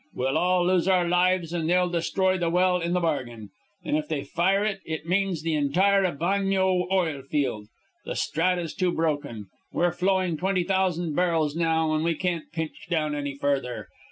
We'll all lose our lives and they'll destroy the well in the bargain. And if they fire it, it means the entire Ebaño oil field. The strata's too broken. We're flowing twenty thousand barrels now, and we can't pinch down any further.